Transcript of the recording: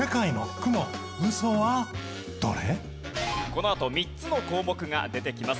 このあと３つの項目が出てきます。